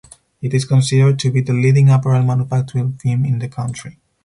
It is considered to be the leading apparel manufacturing firm in the country.